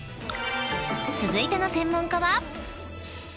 ［続いての専門家は］